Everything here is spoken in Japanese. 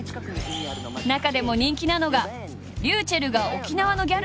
中でも人気なのがｒｙｕｃｈｅｌｌが沖縄のギャルに扮する